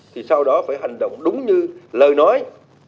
thì sau đó phải hành động đúng như lời nói